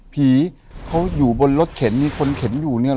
ผีเขาอยู่บนรถเข็นมีคนเข็นอยู่เนี่ยเห